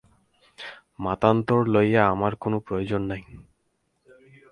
মতান্তর লইয়া আমার কোন প্রয়োজন নাই।